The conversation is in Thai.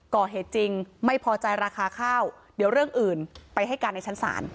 ก่อเหตุจริงไม่พอใจราคาข้าวเดี๋ยวเรื่องอื่นไปให้การในชั้นศาล